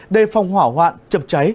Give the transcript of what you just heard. đề phòng hỏa hoạn chập cháy